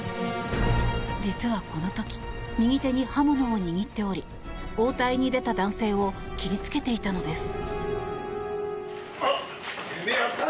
実はこの時右手に刃物を握っており応対に出た男性を切りつけていたのです。